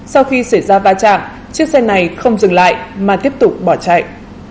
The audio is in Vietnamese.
sau khi xảy ra va chạm chiếc xe này không dừng lại mà tiếp tục bỏ chạy